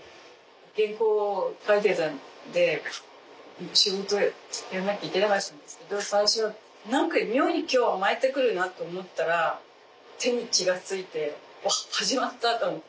原稿を描いてたんで仕事やんなきゃいけなかったんですけど最初は何か妙に今日は甘えてくるなと思ったら手に血がついて始まったと思って。